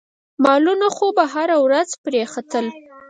مالونه خو به هره ورځ پرې ختل.